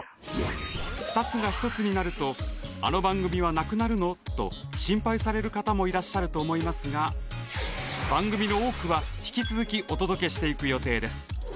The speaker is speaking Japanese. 「２つが１つになるとあの番組はなくなるの？」と心配される方もいらっしゃると思いますが番組の多くは引き続きお届けしていく予定です！